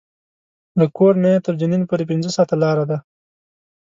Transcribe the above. له کور نه یې تر جنین پورې پنځه ساعته لاره ده.